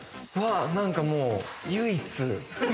何かもう唯一。